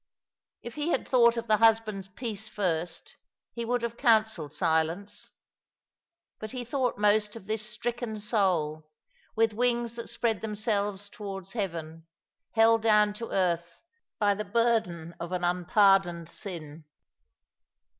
If he had thought of the husband's peace first, he would have counselled silence. But he thought most of this stricken soul, with wings that spread themselves towards heaven, held down to earth by the burden of an unpardoned sin.